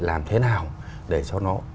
làm thế nào để cho nó